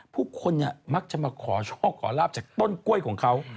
ผู้คนเนี่ยมักจะมาขอโชคขอลาบจากต้นกล้วยของเขา